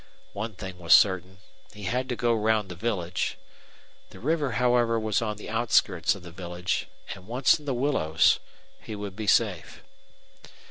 One thing was certain he had to go round the village. The river, however, was on the outskirts of the village; and once in the willows, he would be safe.